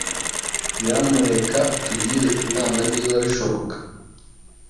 Nyamuneka utugire inama, niba bishoboka,